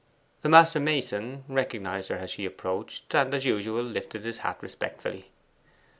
The master mason recognized her as she approached, and, as usual, lifted his hat respectfully.